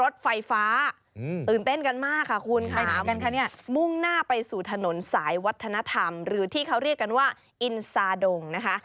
ธนธรรมหรือที่เขาเรียกกันว่าอินซาดงนะคะ